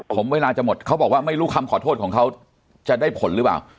ผมเวลาจะหมดเขาบอกว่าไม่รู้คำขอโทษของเขาจะได้ผลหรือเปล่า